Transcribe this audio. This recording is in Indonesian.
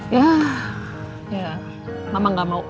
ya mama gak mau